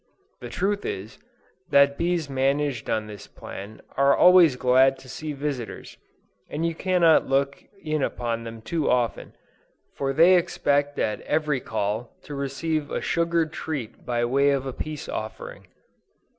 The truth is, that bees managed on this plan are always glad to see visitors, and you cannot look in upon them too often, for they expect at every call, to receive a sugared treat by way of a peace offering.